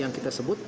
yang kita sebut